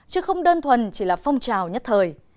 chứ không đơn thuần chỉ là phong trào nhất thời